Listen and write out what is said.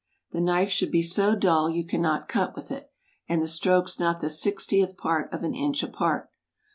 The knife should be so dull you cannot cut with it, and the strokes not the sixtieth part of an inch apart.